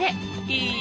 いい！